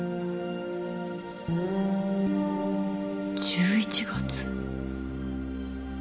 １１月。